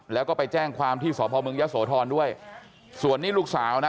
แล้วก็ไปแจ้งความที่สอบภอมเมืองยักษ์โสธรด้วยส่วนนี้ลูกสาวนะ